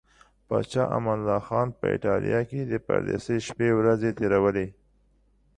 پاچا امان الله خان په ایټالیا کې د پردیسۍ شپې ورځې تیرولې.